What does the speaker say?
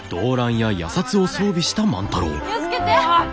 気を付けて！